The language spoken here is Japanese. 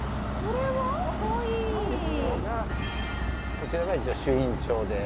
こちらが一応朱印帳で。